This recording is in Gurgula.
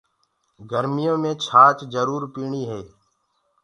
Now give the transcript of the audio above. گرميو مي ڇآچ جرور پيٚڻي کپي۔